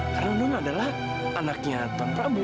karena nono adalah anaknya tuan prabu